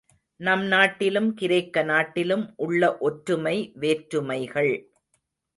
நம் நாட்டிலும் கிரேக்க நாட்டிலும் உள்ள ஒற்றுமை வேற்றுமைகள்.